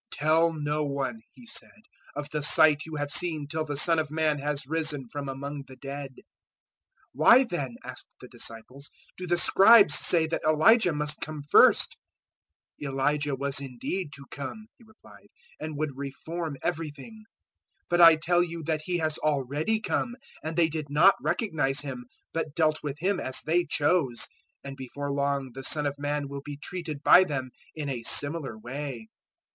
"Tell no one," He said, "of the sight you have seen till the Son of Man has risen from among the dead." 017:010 "Why then," asked the disciples, "do the Scribes say that Elijah must first come?" 017:011 "Elijah was indeed to come," He replied, "and would reform everything. 017:012 But I tell you that he has already come, and they did not recognize him, but dealt with him as they chose. And before long the Son of Man will be treated by them in a similar way."